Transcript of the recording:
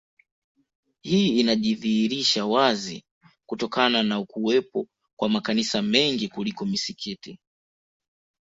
Hii inajidhihirisha wazi kutokana na kuwepo kwa makanisa mengi kuliko misikiti